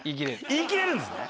言いきれるんですね？